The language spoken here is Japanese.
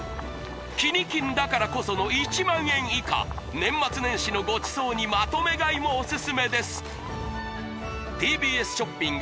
「キニ金」だからこその１万円以下年末年始のごちそうにまとめ買いもおすすめですＴＢＳショッピング